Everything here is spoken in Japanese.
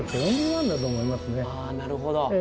あぁなるほど。